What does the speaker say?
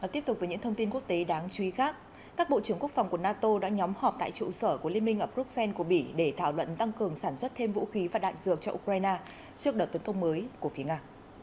tiếp tục với những thông tin quốc tế đáng chú ý khác các bộ trưởng quốc phòng của nato đã nhóm họp tại trụ sở của liên minh ở bruxelles của bỉ để thảo luận tăng cường sản xuất thêm vũ khí và đạn dược cho ukraine trước đợt tấn công mới của phía nga